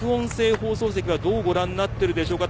放送席はどうご覧になっているでしょうか。